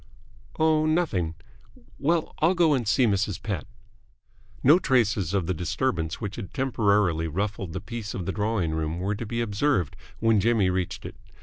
"Oh, nothing. Well, I'll go and see Mrs. Pett." No traces of the disturbance which had temporarily ruffled the peace of the drawing room were to be observed when Jimmy reached it.